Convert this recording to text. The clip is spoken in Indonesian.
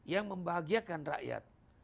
yang membahagiakan rakyat